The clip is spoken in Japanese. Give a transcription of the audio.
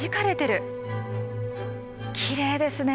きれいですね！